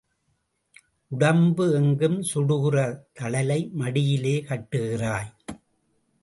உடம்பு எங்கும் சுடுகிற தழலை மடியிலே கட்டுகிறாய்.